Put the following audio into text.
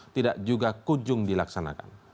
tidak juga kujung dilaksanakan